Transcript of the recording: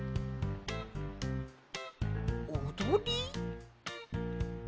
おどり？